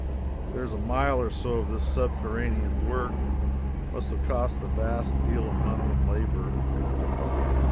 There is a mile or so of this subterranean work, and it must have cost a vast deal of money and labor.